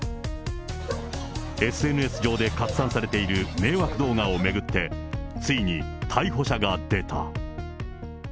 ＳＮＳ上で拡散されている迷惑動画を巡って、ついに逮捕者が出た。